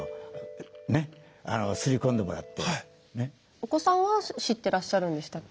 お子さんは知ってらっしゃるんでしたっけ？